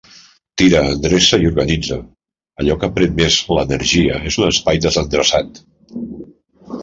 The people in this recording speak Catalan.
Tira, endreça i organitza, allò que pren més l'energia és un espai desendreçat.